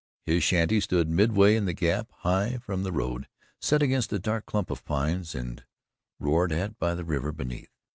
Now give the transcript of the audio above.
His shanty stood midway in the Gap, high from the road, set against a dark clump of pines and roared at by the river beneath.